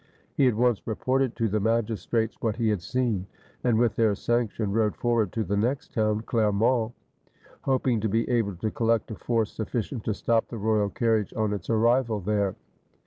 He at once reported to the magistrates what he had seen, and with their sanction rode forward to the next town, Clermont, hoping to be able to collect a force suffi cient to stop the royal carriage on its arrival there.